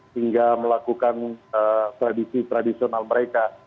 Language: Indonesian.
hingga melakukan tradisi tradisional mereka